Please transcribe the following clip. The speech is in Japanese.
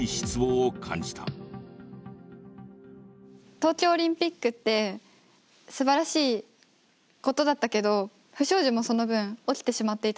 東京オリンピックってすばらしいことだったけど不祥事もその分起きてしまっていたじゃないですか。